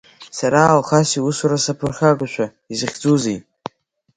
Сара Алхас иусура саԥырхагоушәа, изахьӡузеи?